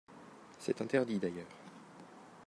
C’est interdit, d’ailleurs